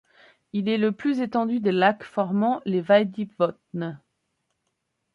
Il est le plus étendu des lacs formant les Veiðivötn.